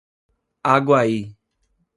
Aguaí